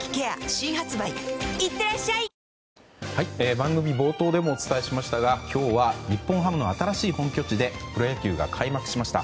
番組冒頭でもお伝えしましたが今日は日本ハムの新しい本拠地でプロ野球が開幕しました。